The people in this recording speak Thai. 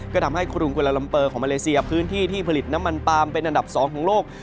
ก็ทำให้กรุงกุลาลัมเปอร์ของมาเลเซียพื้นที่ที่ผลิตน้ำมันปาล์มเป็นอันดับ๒ของโลก